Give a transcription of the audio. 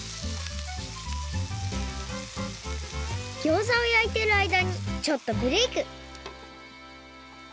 ギョーザをやいてるあいだにちょっとブレイク！